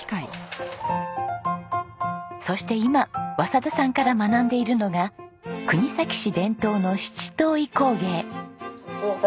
そして今稙田さんから学んでいるのが国東市伝統の七島藺工芸。